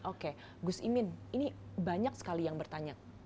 oke gus imin ini banyak sekali yang bertanya